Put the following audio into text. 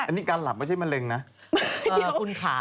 อันนี้การหลับไม่ใช่มะเร็งนะเออคุณขาม